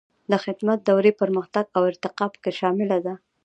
د خدمت دورې پرمختګ او ارتقا پکې شامله ده.